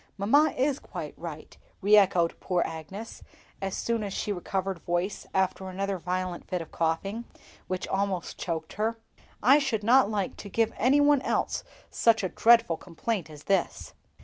"Mamma is quite right," re echoed poor Agnes, as soon as she recovered voice after another violent fit of coughing, which almost choked her. "I should not like to give any one else such a dreadful complaint as this."